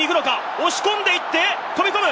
押し込んでいって飛び込む！